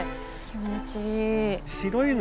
気持ちいい。